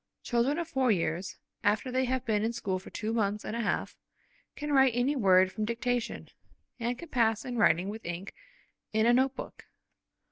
Children of four years, after they have been in school for two months and a half, can write any word from dictation, and can pass to writing with ink in a note book.